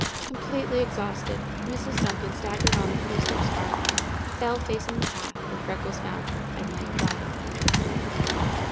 Completely exhausted, Mrs. Duncan staggered on a few steps farther, fell facing the path, where Freckles found her, and lay quietly.